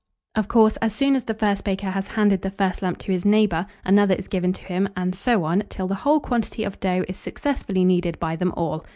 Of course, as soon as the first baker has handed the first lump to his neighbour, another is given to him, and so on till the whole quantity of dough is successively kneaded by them all.